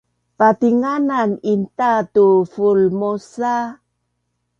Patinganan intaa tu Vulmosa’